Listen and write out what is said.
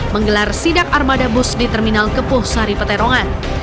menggelar sidak armada bus di terminal kepuh sari peterongan